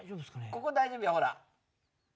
ここ大丈夫よほら。